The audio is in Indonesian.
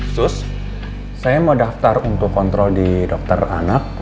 sus saya mau daftar untuk kontrol di dokter anak